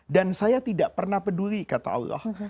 dan saya tidak pernah peduli kata allah